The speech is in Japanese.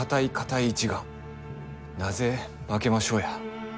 なぜ負けましょうや。